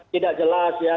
tidak jelas ya